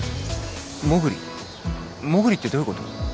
モグリモグリってどういうこと？